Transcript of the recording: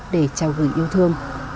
để chào gửi yêu thương